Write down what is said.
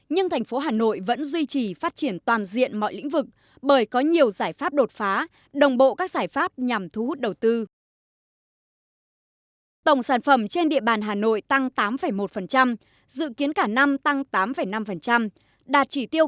nhưng thành phố hà nội vẫn duy trì phát triển toàn diện mọi lĩnh vực bởi có nhiều giải pháp đột phá đồng bộ các giải pháp nhằm thu hút đầu tư